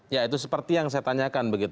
ya itu seperti yang saya tanyakan